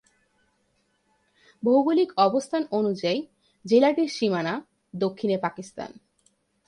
ভৌগোলিক অবস্থান অনুযায়ী জেলাটির সীমানা, দক্ষিণে পাকিস্তান।